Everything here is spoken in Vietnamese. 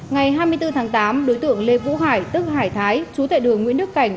ngày hai mươi bốn tháng tám đối tượng lê vũ hải tức hải thái chú tại đường nguyễn đức cảnh